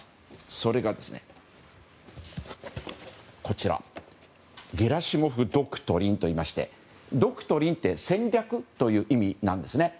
それがゲラシモフ・ドクトリンといいましてドクトリンって戦略という意味なんですね。